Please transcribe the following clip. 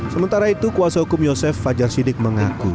sementara itu kuasa hukum yosef fajar sidik mengaku